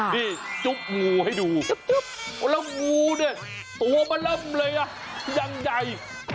นี่จุ๊บงูให้ดูแล้วงูเนี่ยตัวมันเริ่มเลยอ่ะยังใหญ่